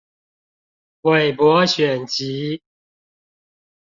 韋伯選集